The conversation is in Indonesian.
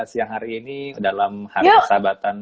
siang hari ini dalam hari persahabatan